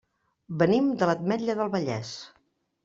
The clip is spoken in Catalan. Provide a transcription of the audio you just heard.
Venim de l'Ametlla del Vallès.